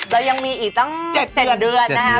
แล้วยังมีอีกตั้ง๗เดือนนะครับ